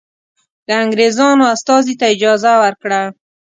د انګرېزانو استازي ته اجازه ورکړه.